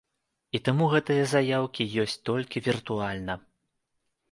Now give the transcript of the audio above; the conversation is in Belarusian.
І таму гэтыя заяўкі ёсць толькі віртуальна.